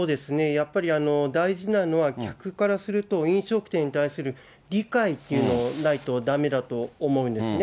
やっぱり大事なのは、客からすると飲食店に対する理解というのがないとだめだと思うんですね。